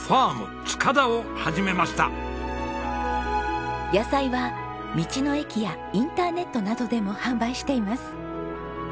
こうして野菜は道の駅やインターネットなどでも販売しています。